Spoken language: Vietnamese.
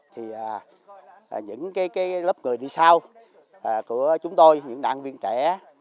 thì những cái lớp người đi sau của chúng tôi những đoàn viên trẻ